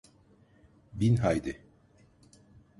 Bin haydi.